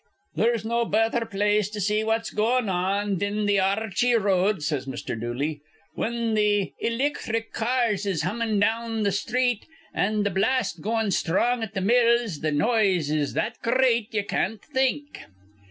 "There's no betther place to see what's goin' on thin the Ar rchey Road," says Mr. Dooley. "Whin th' ilicthric cars is hummin' down th' sthreet an' th' blast goin' sthrong at th' mills, th' noise is that gr reat ye can't think."